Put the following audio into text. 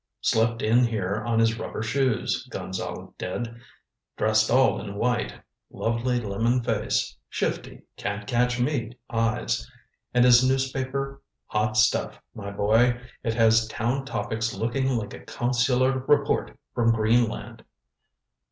Slipped in here on his rubber soles, Gonzale did dressed all in white lovely lemon face shifty, can't catch me eyes. And his newspaper hot stuff, my boy. It has Town Topics looking like a consular report from Greenland."